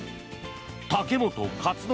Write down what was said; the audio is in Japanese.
竹本勝紀